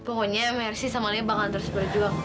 pokoknya mercy sama lea bakal terus berjuang